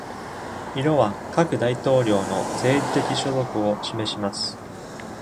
色は各大統領の政治的所属を示します。